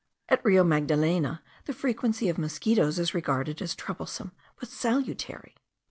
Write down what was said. At the Rio Magdalena the frequency of mosquitos is regarded as troublesome, but salutary.